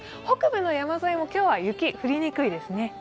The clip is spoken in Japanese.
北部の山沿いも今日は雪、降りにくいですね。